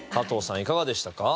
いかがでしたか？